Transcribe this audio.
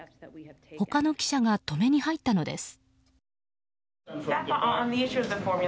他の記者が止めに入ったのです。